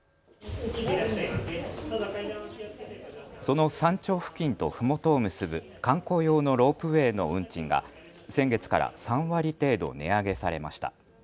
その山頂付近とふもとを結ぶ観光用のロープウエーの運賃が先月から３割程度値上げされました。